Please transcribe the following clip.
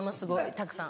たくさん。